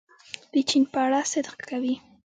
د چین په اړه صدق کوي.